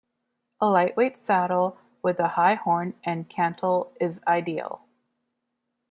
A lightweight saddle with a high horn and cantle is ideal.